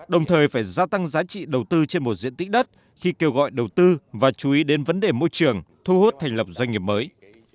đồng thời phải gia tăng giá trị đầu tư trên một diện tích đất khi kêu gọi đầu tư và chú ý đến vấn đề môi trường thu hút thành lập doanh nghiệp mới